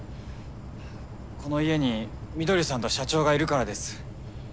この家に翠さんと社長がいるからです。